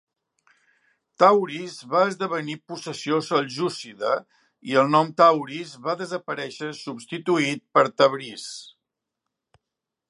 Tauris va esdevenir possessió seljúcida i el nom Tauris va desaparèixer substituït per Tabriz.